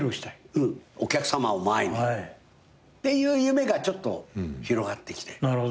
うん。お客さまを前に。っていう夢がちょっと広がってきて。